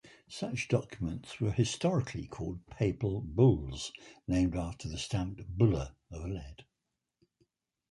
Such documents were historically called papal bulls, named after the stamped "bulla" of lead.